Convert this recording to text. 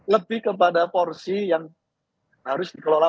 lebih kepada porsi yang harus dikelola